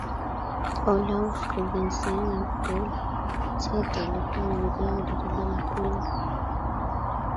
olaus jorgensen abelset alikuwa abiria wa daraja la pili